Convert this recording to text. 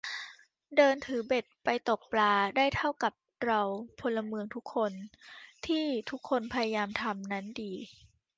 เดินถือเบ็ดไปตกปลาได้เท่ากับเราพลเมืองทุกคน ที่ทุกคนพยายามทำนั้นดี